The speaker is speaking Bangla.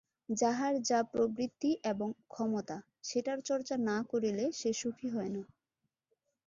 যাহার যা প্রবৃত্তি এবং ক্ষমতা সেটার চর্চা না করিলে সে সুখী হয় না।